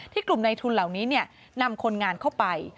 กลุ่มในทุนเหล่านี้นำคนงานเข้าไป